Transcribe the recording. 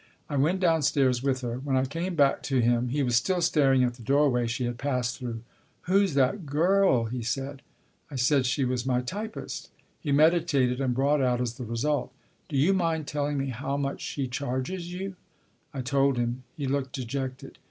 I went downstairs with her. When I came back to him he was still staring at the doorway she had passed through. " Who's that girl ?" he said. I said she was my typist. He meditated, and brought out as the result : "Do you mind telling me how much she charges you ?" I told him. He looked dejected.